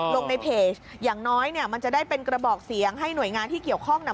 ลงในเพจอย่างน้อยเนี่ยมันจะได้เป็นกระบอกเสียงให้หน่วยงานที่เกี่ยวข้องน่ะ